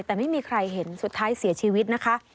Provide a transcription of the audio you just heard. แต่ไม่มีใครเห็นสุดท้ายเสียชีวิตนะคะ